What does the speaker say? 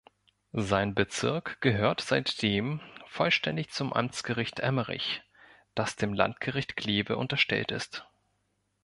Sein Bezirk gehört seitdem vollständig zum Amtsgericht Emmerich, das dem Landgericht Kleve unterstellt ist.